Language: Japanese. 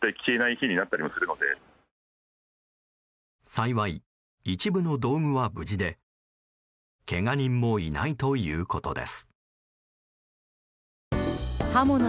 幸い、一部の道具は無事でけが人もいないということです。